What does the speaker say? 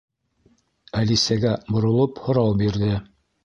Әлисәгә боролоп, һорау бирҙе: